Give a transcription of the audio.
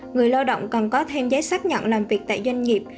người lao động còn có thêm giấy xác nhận làm việc tại doanh nghiệp